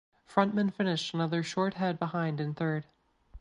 Frontman finished another short head behind in third.